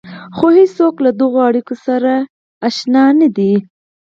خو هېڅوک له دغو اړيکو سره اشنا نه دي.